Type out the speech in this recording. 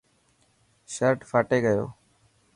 شرٽ ڦاٽي گيو.